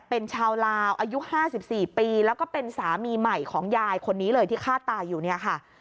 เป็นชาวลาวอายุ๕๔ปีแล้วก็เป็นสามีใหม่ของยายคนนี้เลยที่ฆ่าตายอยู่เนี่ยค่ะ